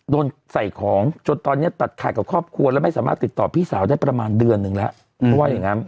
โดนใส่ของจนตอนนี้ตัดขาดกับครอบครัวแล้วไม่สามารถติดต่อพี่สาวได้ประมาณเดือนนึงแล้วเพราะว่าอย่างงั้น